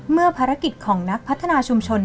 เมื่อภารกิจของนักพัฒนาชุมชน